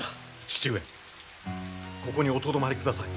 父上ここにおとどまりください！